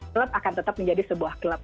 klub akan tetap menjadi sebuah klub